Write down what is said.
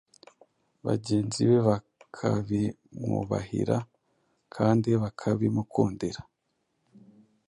bagenzi be bakabimwubahira kandi bakabimukundira.